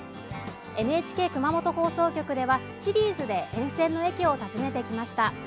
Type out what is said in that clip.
ＮＨＫ熊本放送局ではシリーズで沿線の駅を訪ねてきました。